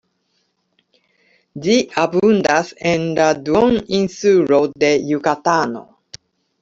Ĝi abundas en la duoninsulo de Jukatano.